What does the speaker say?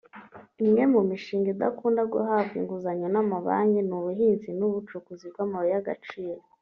Imwe mu mishinga idakunda guhabwa inguzanyo n’amabanki ni ubuhinzi n’ubucukuzi bw’amabuye y’agaciro